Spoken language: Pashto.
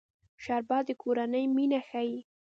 شربت د کورنۍ مینه ښيي